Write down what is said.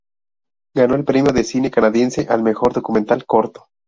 Ganó el Premio de Cine canadiense al mejor documental corto.